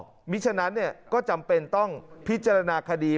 เพราะฉะนั้นก็จำเป็นต้องพิจารณาคดี